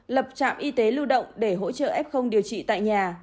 lập trạm y tế lưu động để hỗ trợ f điều trị tại nhà